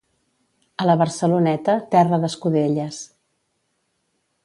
A la Barceloneta, terra d'escudelles.